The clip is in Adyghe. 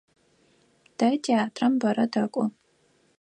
Тэ театрэм бэрэ тэкӏо.